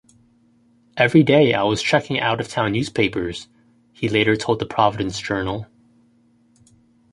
Every day I was checking out-of-town newspapers," he later told "The Providence Journal".